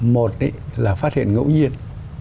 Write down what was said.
một ấy là phát hiện ngẫu nhiên